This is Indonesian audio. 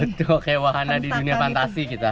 betul kayak wahana di dunia fantasi kita